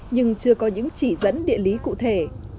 nhưng chưa có những chỉ dẫn địa lý cụ thể